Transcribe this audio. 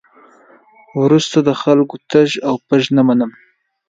وروسته د خلکو ټز او پز نه منم.